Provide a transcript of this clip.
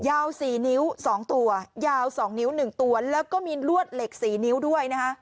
ยาว๔นิ้ว๒ตัวยาว๒นิ้ว๑ตัวแล้วก็มีลวดเหล็ก๔นิ้วด้วยนะฮะ